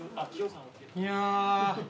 いや。